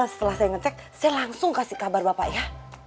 setelah saya ngecek saya langsung kasih kabar bapak ya